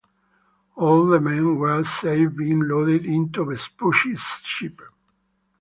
All the men were saved, being loaded into Vespucci's ship.